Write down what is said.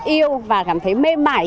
yêu và cảm thấy mê mãi